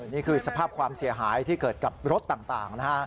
นี่คือสภาพความเสียหายที่เกิดกับรถต่างนะฮะ